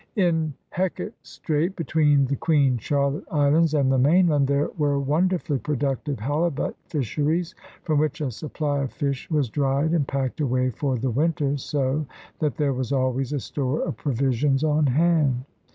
In Hecate Strait, between the Queen Charlotte Is lands and the mainland, there were wonderfully productive halibut fisheries, from which a supply of fish was dried and packed away for the winter, so that there was always a store of provisions on hand.